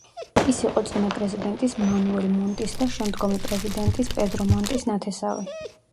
ის იყო წინა პრეზიდენტის მანუელ მონტის და შემდგომი პრეზიდენტის პედრო მონტის ნათესავი.